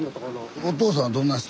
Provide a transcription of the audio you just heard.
お父さんどんな人？